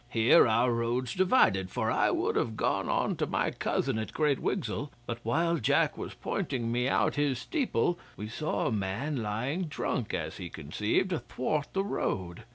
Here our roads divided, for I would have gone on to my cousin at Great Wigsell, but while Jack was pointing me out his steeple, we saw a man lying drunk, as he conceived, athwart the road.